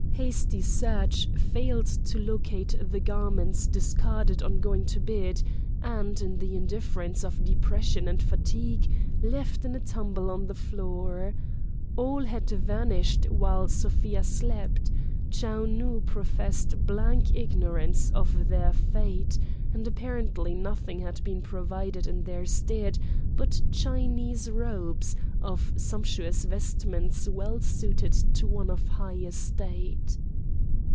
Hasty search failed to locate the garments discarded on going to bed and, in the indifference of depression and fatigue, left in a tumble on the floor. All had vanished while Sofia slept; Chou Nu professed blank ignorance of their fate; and apparently nothing had been provided in their stead but Chinese robes, of sumptuous vestments well suited to one of high estate.